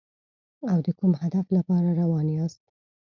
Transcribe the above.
او د کوم هدف لپاره روان یاست.